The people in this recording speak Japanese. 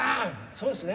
そうですね。